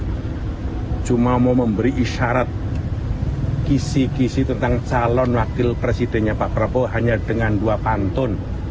saya cuma mau memberi isyarat kisi kisi tentang calon wakil presidennya pak prabowo hanya dengan dua pantun